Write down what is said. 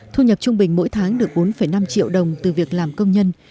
thu nhập trung bình mỗi tháng được bốn năm triệu đồng từ việc làm công nhân